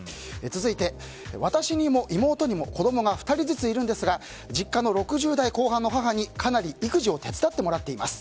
続いて、私にも妹にも子供が２人ずついるんですが実家の６０代後半の母にかなり育児を手伝ってもらっています。